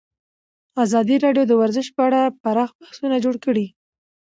ازادي راډیو د ورزش په اړه پراخ بحثونه جوړ کړي.